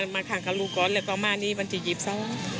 มาถังกับลูกก่อนเลยต่อมาอันนี้วันที่๒๒ค่ะ